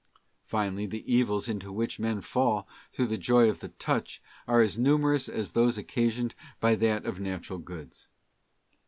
Finally, the evils into which men fall through the joy of the touch are as numerous as those occasioned by that of Natural Goods.